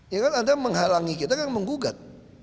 ya kan anda menghalangi kita kan menggugat